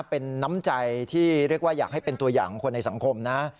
เป็นน้ำใจที่เรียกว่าอยากให้เป็นตัวอย่างของคนในสังคมนะ